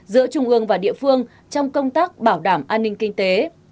quân và địa phương trong công tác bảo đảm an ninh kinh tế